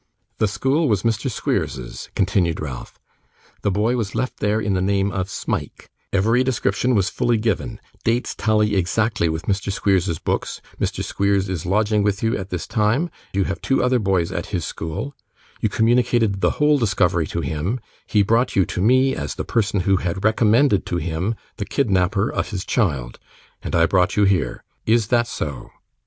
'The school was Mr. Squeers's,' continued Ralph; 'the boy was left there in the name of Smike; every description was fully given, dates tally exactly with Mr. Squeers's books, Mr. Squeers is lodging with you at this time; you have two other boys at his school: you communicated the whole discovery to him, he brought you to me as the person who had recommended to him the kidnapper of his child; and I brought you here. Is that so?